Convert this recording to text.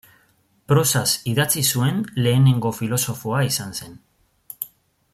Prosaz idatzi zuen lehenengo filosofoa izan zen.